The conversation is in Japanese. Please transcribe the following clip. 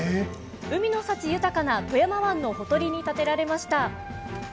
海の幸豊かな富山湾のほとりに建てられました。